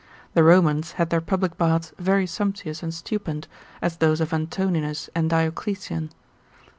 The Romans had their public baths very sumptuous and stupend, as those of Antoninus and Diocletian.